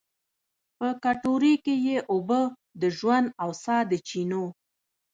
په کټورې کې یې اوبه، د ژوند او سا د چېنو